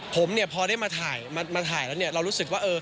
ผมพอได้มาถ่ายมาถ่ายแล้วเรารู้สึกว่า